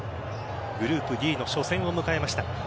グループＤの初戦を迎えました。